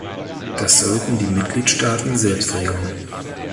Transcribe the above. Das sollten die Mitgliedstaaten selbst regeln.